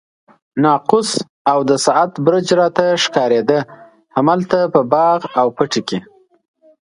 ناقوس او د ساعت برج راته ښکارېده، همالته په باغ او پټي کې.